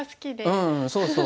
うんそうそう。